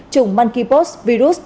chủng monkeypox virus